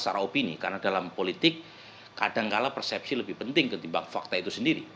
secara opini karena dalam politik kadangkala persepsi lebih penting ketimbang fakta itu sendiri